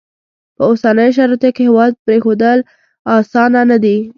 په اوسنیو شرایطو کې هیواد پرېښوول اسانه نه دي.